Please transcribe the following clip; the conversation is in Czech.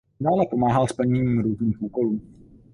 Dále pomáhal s plněním různých úkolů.